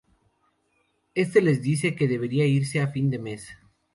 Éste les dice que deberían irse a fin de mes.